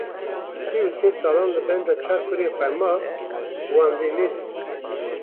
Sih û sê salan li benda çar kurên xwe ma wan lê nedîtin.